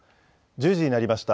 １０時になりました。